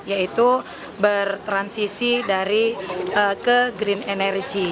yaitu bertransisi dari ke green energy